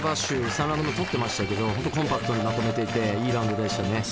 ３ラウンド目取ってましたけど本当コンパクトにまとめていていいラウンドでしたね。